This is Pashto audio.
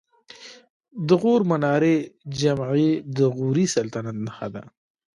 د غور منارې جمعې د غوري سلطنت نښه ده